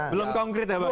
belum konkret ya bang ya